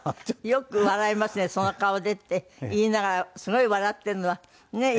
「よく笑いますねその顔で」って言いながらすごい笑ってるのはねえ？